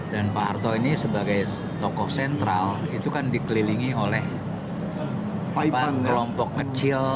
dan pak harto ini sebagai tokoh sentral itu kan dikelilingi oleh kelompok kecil